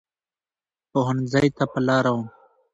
پوهنځۍ ته په لاره وم.